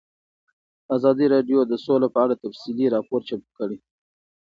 ازادي راډیو د سوله په اړه تفصیلي راپور چمتو کړی.